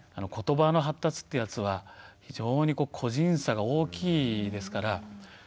ことばの発達ってやつは非常に個人差が大きいですから。